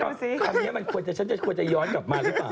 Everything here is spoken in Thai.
เม้าวดูสิคำนี้เม้นจะย้อนกลับมาหรือเปล่า